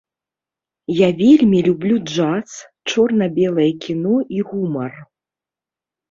Я вельмі люблю джаз, чорна-белае кіно і гумар.